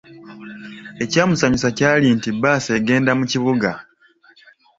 Ekyamusanyusa kyali nti bbaasi egenda mu kibuga.